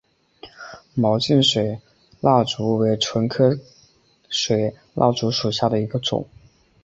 毛茎水蜡烛为唇形科水蜡烛属下的一个种。